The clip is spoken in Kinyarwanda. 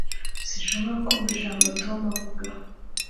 Sinshobora kumva ijambo Tom avuga